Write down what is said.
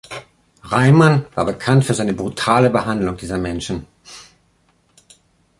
Reimann war bekannt für seine brutale Behandlung dieser Menschen.